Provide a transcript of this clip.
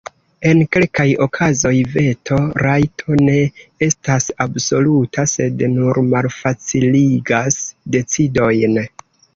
En kelkaj okazoj veto-rajto ne estas absoluta, sed nur malfaciligas decidojn.